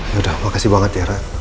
yaudah makasih banget ya rak